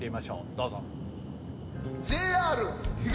どうぞ！